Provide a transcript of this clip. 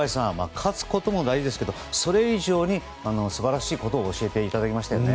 勝つことも大事ですけどそれ以上に素晴らしいことを教えていただきましたよね。